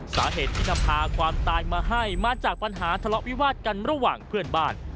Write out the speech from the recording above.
สาเหตุที่นำพาความตายมาให้มาจากปัญหาทะเลาะวิวาดกันระหว่างเพื่อนบ้าน